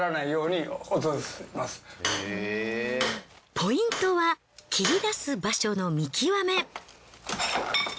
ポイントは切り出す場所の見極め。